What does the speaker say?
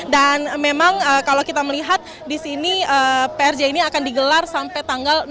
dan memang kalau kita melihat di sini prj ini akan digelar sampai tanggal enam belas juli dua ribu dua puluh tiga